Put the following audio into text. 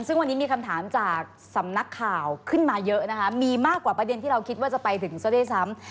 ซึ่งวันนี้มีคำถามจากสำนักข่าวขึ้นมาเยอะนะคะมีมากกว่าประเด็นที่เราคิดว่าจะไปถึงซะด้วยซ้ำ